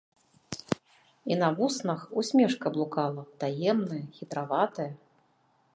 І на вуснах усмешка блукала таемная, хітраватая.